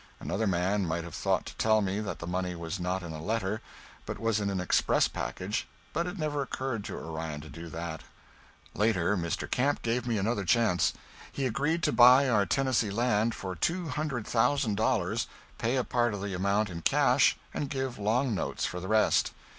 Another man might have thought to tell me that the money was not in a letter, but was in an express package, but it never occurred to Orion to do that. Later, Mr. Camp gave me another chance. He agreed to buy our Tennessee land for two hundred thousand dollars, pay a part of the amount in cash and give long notes for the rest.